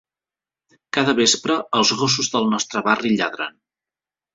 Cada vespre, els gossos del nostre barri lladren.